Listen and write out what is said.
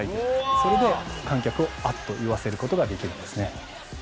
それで観客をあっと言わせることができるんですね。